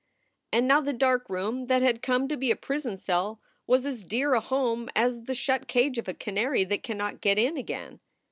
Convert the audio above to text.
And now the dark room that had come to be a prison cell was as dear a home as the shut cage of a canary that cannot get in again.